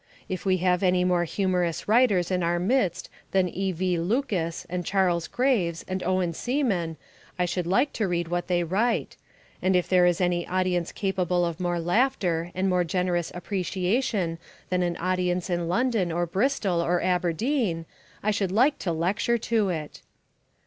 If we have any more humorous writers in our midst than E. V. Lucas and Charles Graves and Owen Seaman I should like to read what they write; and if there is any audience capable of more laughter and more generous appreciation than an audience in London, or Bristol, or Aberdeen, I should like to lecture to it.